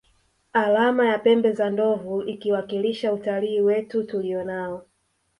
Alama ya pembe za ndovu ikiwakilisha utalii wetu tulio nao